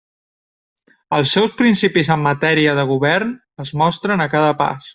Els seus principis en matèria de govern es mostren a cada pas.